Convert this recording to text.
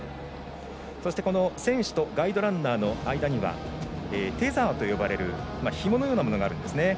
選手とガイドランナーの間にはテザーと呼ばれるひものようなものがあるんですね。